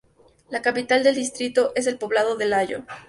La Capital del distrito es el poblado de Layo.